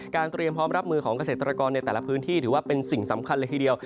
เตรียมพร้อมรับมือของเกษตรกรในแต่ละพื้นที่ถือว่าเป็นสิ่งสำคัญเลยทีเดียว